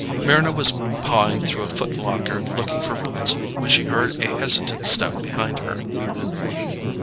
Mryna was pawing through a footlocker looking for boots when she heard a hesitant step behind her.